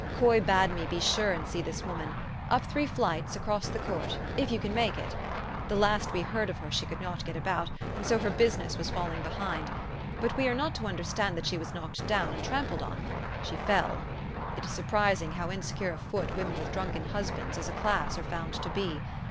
Coy bade me be sure and see this woman, up three flights, across the court, if you can make it? The last we heard of her she could not get about, and so her business was falling behind. But we are not to understand that she was knocked down, and trampled on. She fell. It is surprising how in secure of foot women with drunken husbands, as a class, are found to be.